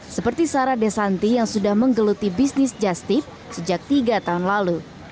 seperti sarah desanti yang sudah menggeluti bisnis justip sejak tiga tahun lalu